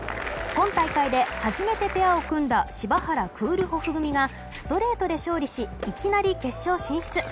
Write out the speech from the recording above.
今大会で初めてペアを組んだ柴原、クールホフ組がストレートで勝利しいきなり決勝進出。